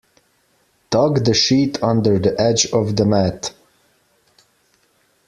Tuck the sheet under the edge of the mat.